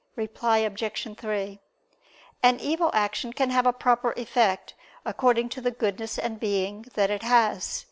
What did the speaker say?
Reply Obj. 3: An evil action can have a proper effect, according to the goodness and being that it has.